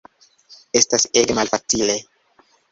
Estas ege malfacile.